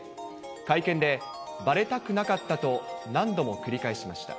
会見で、ばれたくなかったと、何度も繰り返しました。